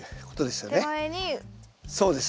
そうです